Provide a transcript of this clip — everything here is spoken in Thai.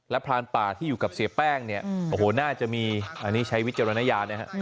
พรานป่าที่อยู่กับเสียแป้งเนี่ยโอ้โหน่าจะมีอันนี้ใช้วิจารณญาณนะฮะ